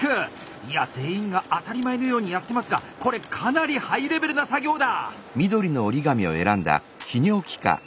いや全員が当たり前のようにやってますがこれかなりハイレベルな作業だ！